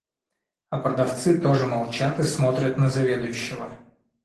А продавцы тоже молчат и смотрят на заведующего.